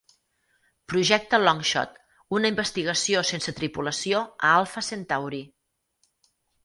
Projecte Longshot: una investigació sense tripulació a Alpha Centauri.